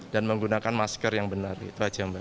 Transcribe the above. dan menggunakan masker yang benar itu saja yang baik